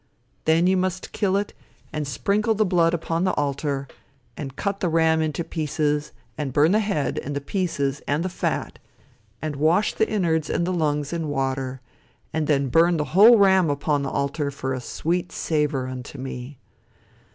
Then you must kill it and sprinkle the blood upon the altar, and cut the ram into pieces, and burn the head, and the pieces, and the fat, and wash the inwards and the lungs in water and then burn the whole ram upon the altar for a sweet savor unto me.